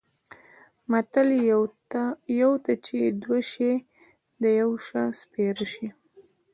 متل: یوه ته چې دوه شي د یوه شا سپېره شي.